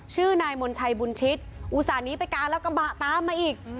ชื่อนายมนชัยบุญชิตอุตส่าห์นี้ไปกางแล้วกระบะตามมาอีก